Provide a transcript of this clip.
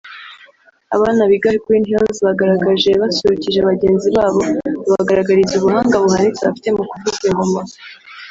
Abana biga Green hills bagaragaje basusurukije bagenzi babo babagaragariza ubuhanga buhanitse bafite mu kuvuza ingoma